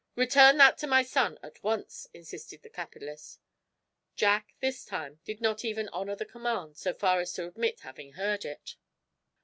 "Return that to my son, at once," insisted the capitalist. Jack, this time, did not even honor the command so far as to admit having heard it.